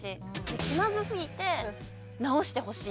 気まずすぎて直してほしい。